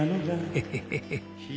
ヘヘヘヘッ。